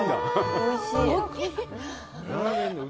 おいしい。